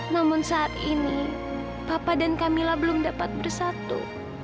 namun saat ini papa dan camilla belum dapat bersatu